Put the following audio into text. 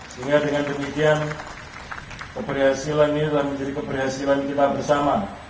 sehingga dengan demikian keberhasilan ini telah menjadi keberhasilan kita bersama